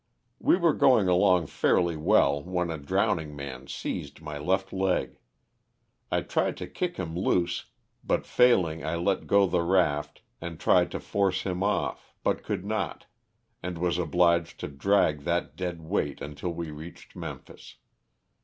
We were going along fairly well when a drowning man seized my left leg. I tried to kick him loose but failing I let go the raft and tried to force him off but could not, and was obliged to drag that dead weight until we reached Memphis.